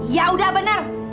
ya udah bener